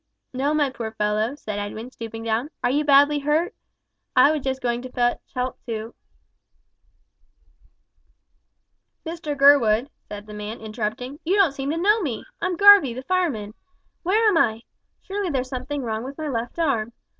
"No, my poor fellow," said Edwin, stooping down. "Are you badly hurt? I am just going to fetch help to " "Mr Gurwood," said the man, interrupting, "you don't seem to know me! I'm Garvie, the fireman. Where am I? Surely there is something wrong with my left arm.